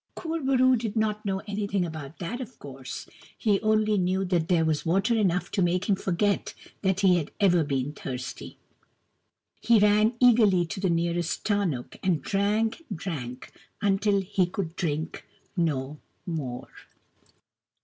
Kur bo roo did not know any thing about that, of course ; he only knew that here was water enough to make him forget that he had ever been thirsty. He ran eagerly to the nearest tarnuk and drank and drank until he could drink no more.